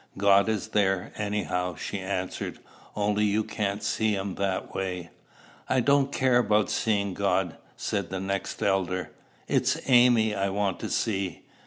"God is there, anyhow," she answered; "only you can't see him that way." "I don't care about seeing God," said the next elder: "it's Amy I want to see.